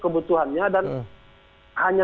kebutuhannya dan hanya